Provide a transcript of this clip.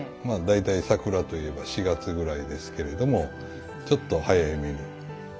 大体桜といえば４月ぐらいですけれどもちょっと早いめに。